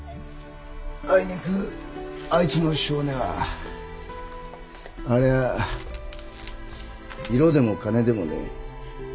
あいにくあいつの性根はあれは色でも金でもねえ。